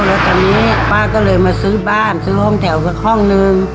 แล้วตอนนี้ป้าก็เลยมาซื้อบ้านซื้อห้องแถวสักห้องนึง